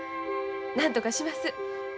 なんとかします。